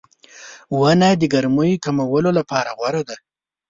• ونه د ګرمۍ کمولو لپاره غوره ده.